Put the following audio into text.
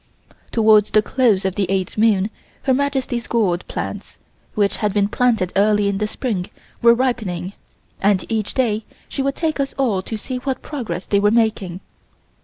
Towards the close of the eighth moon Her Majesty's gourd plants, which had been planted early in the spring, were ripening, and each day she would take us all to see what progress they were making.